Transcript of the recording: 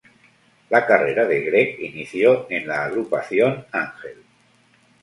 La carrera de Gregg inició en la agrupación Angel.